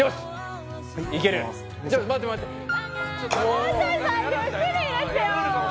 もうちょいさゆっくりやってよ。